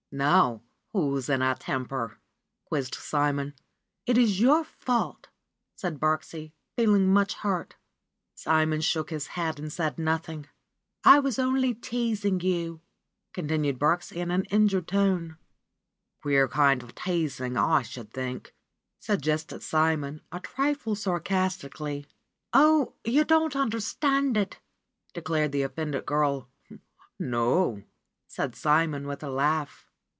^^Now, who's in a temper?" quizzed Simon. 'Tt is your fault/' said Birksie, feeling much hurt. Simon shook his head and said nothing. was only teasing you," continued Birksie in an in jured tone. ^^Queer kind of teasing, I should think," suggested Simon a trifle sarcastically. '^Oh, you don't understand it !" declared the offended girl. ^^No!" from Simon with a laugh.